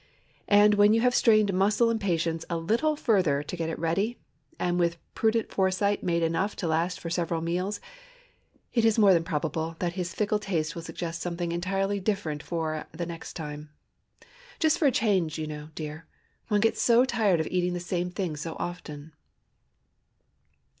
And when you have strained muscle and patience a little further to get it ready, and with prudent foresight made enough to last for several meals, it is more than probable that his fickle taste will suggest something entirely different for "next time." "Just for a change, you know, dear. One gets so tired of eating the same thing so often!"